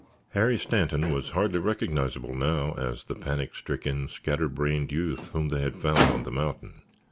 Harry Stanton was hardly recognizable now as the panic stricken, scatter brained youth whom they had found on the mountain.